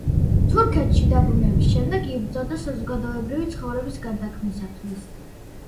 თურქეთში დაბრუნების შემდეგ იბრძოდა საზოგადოებრივი ცხოვრების გარდაქმნისათვის.